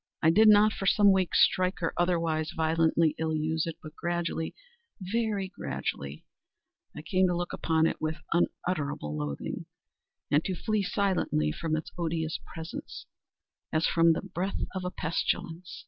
I did not, for some weeks, strike, or otherwise violently ill use it; but gradually—very gradually—I came to look upon it with unutterable loathing, and to flee silently from its odious presence, as from the breath of a pestilence.